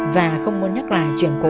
và không muốn nhắc lại chuyện cũ